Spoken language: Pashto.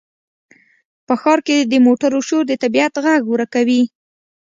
په ښار کې د موټرو شور د طبیعت غږ ورکوي.